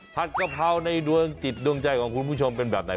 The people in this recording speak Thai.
กะเพราในดวงจิตดวงใจของคุณผู้ชมเป็นแบบไหน